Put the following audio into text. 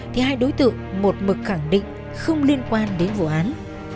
thì hai đối tượng một mực khẳng định không liên quan đến vụ án